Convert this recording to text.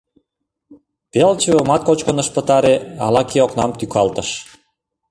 Пел чывымат кочкын ыш пытаре, ала-кӧ окнам тӱкалтыш.